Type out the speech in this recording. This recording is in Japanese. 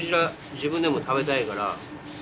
自分でも食べたいから。